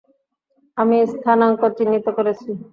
আমি স্থানাঙ্ক চিহ্নিত করেছি।